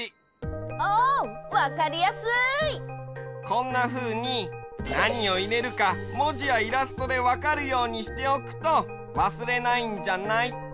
こんなふうになにをいれるかもじやイラストでわかるようにしておくとわすれないんじゃない？